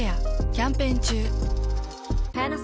キャンペーン中。